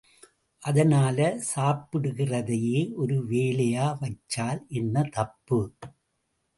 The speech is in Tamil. அதனால சாப்பிடுறதையே ஒரு வேலையா வச்சால் என்ன தப்பு?